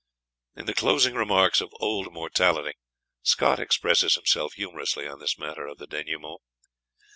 In the closing remarks of "Old Mortality" Scott expresses himself humorously on this matter of the denouement.